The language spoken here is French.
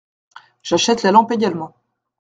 J’achète la lampe également.